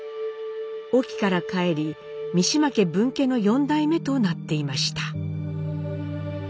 隠岐から帰り三島家分家の四代目となっていました。